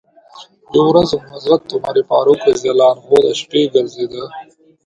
یوه ورځ حضرت عمر فاروق و شپې ګرځېده.